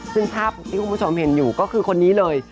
ซึ่งภาพที่คุณผู้ชมเห็นอยู่ก็คือคนนี้เลย